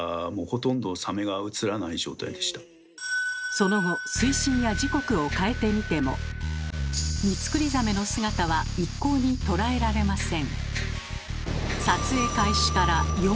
その後水深や時刻を変えてみてもミツクリザメの姿は一向に捉えられません。